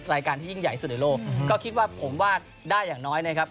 รายการที่ยิ่งใหญ่สุดในโลกก็คิดว่าผมว่าได้อย่างน้อยนะครับ